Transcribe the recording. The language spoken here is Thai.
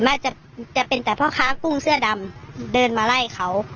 น่าจะจะเป็นแต่พ่อค้ากุ้งเสื้อดำเดินมาไล่เขา